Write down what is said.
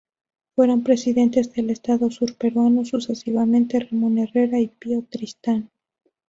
Fueron presidentes del Estado Sur Peruano, sucesivamente Ramón Herrera y Pío Tristan.